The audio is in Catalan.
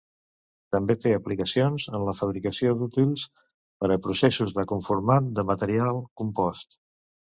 També té aplicacions en la fabricació d'útils per a processos de conformat de material compost.